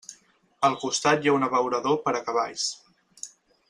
Al costat hi ha un abeurador per a cavalls.